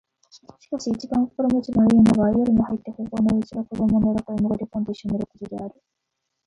しかし一番心持ちの好いのは夜に入ってここのうちの子供の寝床へもぐり込んで一緒に寝る事である